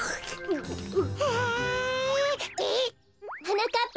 はなかっ